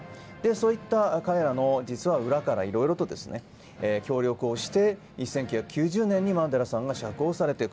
そういった彼らの裏からいろいろと協力をして１９９０年にマンデラさんが釈放された。